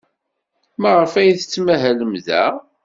Maɣef ay tettmahalem da?